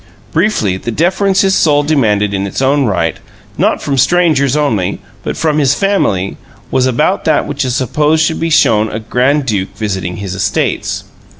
Briefly, the deference his soul demanded in its own right, not from strangers only, but from his family, was about that which is supposed to be shown a Grand Duke visiting his Estates.